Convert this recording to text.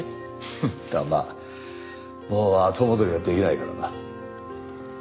フッただまあもう後戻りはできないからな。